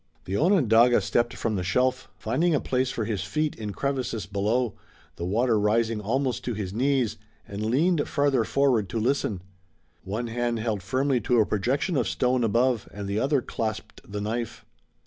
The Onondaga stepped from the shelf, finding a place for his feet in crevices below, the water rising almost to his knees, and leaned farther forward to listen. One hand held firmly to a projection of stone above and the other clasped the knife.